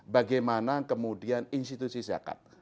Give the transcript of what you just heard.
bagaimana kemudian institusi zakat